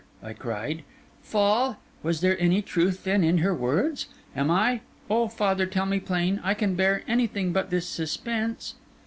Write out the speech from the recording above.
I cried. 'Fall? Was there any truth, then, in her words? Am I—O father, tell me plain; I can bear anything but this suspense.